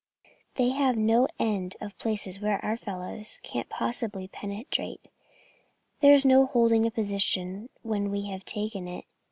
They have no end of places where our fellows can't possibly penetrate. There's no holding a position when we have taken it.